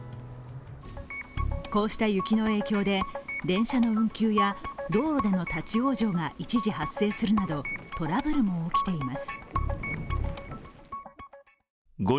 こうした雪の影響で、電車の運休や道路での立往生が一時発生するなどトラブルも起きています。